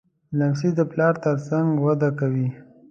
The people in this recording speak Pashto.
لمسی د پلار تر څنګ وده کوي.